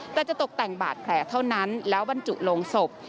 แต่จะตกแต่งบาดแผลเท่านั้นแล้วบรรจุลงศพ